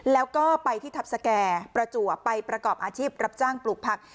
แล้วก็ไปที่ทัพสแก่ประจวบไปประกอบอาชีพรับจ้างปลูกผัก